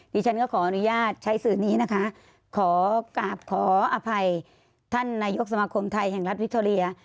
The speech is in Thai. ดิฉันก็ขออนุญาตใช้สื่อนี้นะคะขอกราบขออภัยท่านนายกสมาคมไทยแห่งรัฐวิโทเรีย